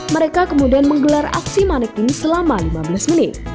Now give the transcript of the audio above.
mereka kemudian menggelar aksi manekin selama lima belas menit